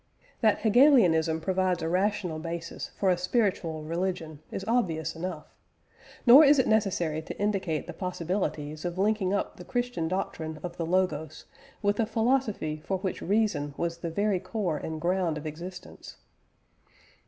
That Hegelianism provides a rational basis for a spiritual religion is obvious enough; nor is it necessary to indicate the possibilities of linking up the Christian doctrine of the Logos with a philosophy for which Reason was the very core and ground of existence.